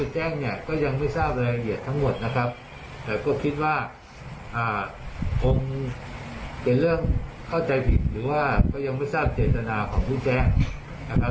เจตนาของพุทธแจ๊ะ